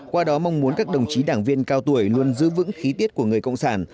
qua đó mong muốn các đồng chí đảng viên cao tuổi luôn giữ vững khí tiết của người cộng sản